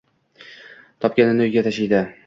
Topganini uyga tashiydi